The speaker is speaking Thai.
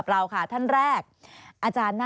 สวัสดีครับทุกคน